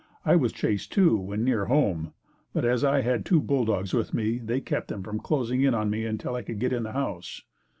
I was chased, too, when near home, but as I had two bulldogs with me, they kept them from closing in on me until I could get in the house.